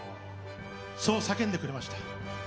そう叫んでくれました。